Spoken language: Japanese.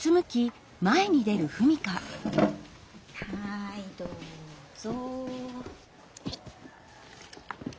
はいどうぞ。